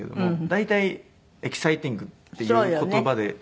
大体「エキサイティング」っていう言葉で。